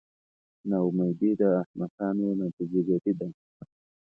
نا امیدي د احمقانو نتیجه ګیري ده.